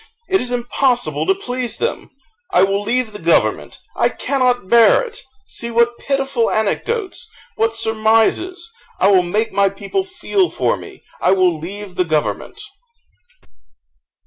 It is impossible to please them; I will leave the government I cannot bear it! See what pitiful anecdotes what surmises: I will make my people feel for me I will leave the government!"